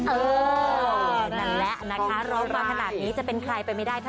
นั่นแหละนะคะร้องมาขนาดนี้จะเป็นใครไปไม่ได้ถ้า